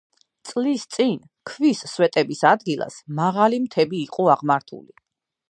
წლის წინ ქვის სვეტების ადგილას მაღალი მთები იყო აღმართული.